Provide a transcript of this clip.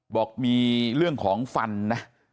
บอกมีเรื่องของฟันนะ